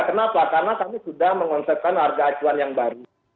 kenapa karena kami sudah mengonsetkan harga acuan yang baru